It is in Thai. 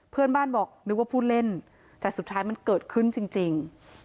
เพื่อนบ้านบอกนึกว่าพูดเล่นแต่สุดท้ายมันเกิดขึ้นจริง